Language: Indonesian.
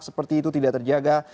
seperti itu tidak terjaga